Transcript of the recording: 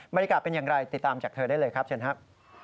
บรรยากาศเป็นอย่างไรติดตามจากเธอได้เลยครับเชิญครับ